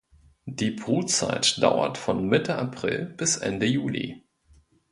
Die Brutzeit dauert von Mitte April bis Ende Juli.